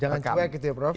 jangan cuek gitu ya prof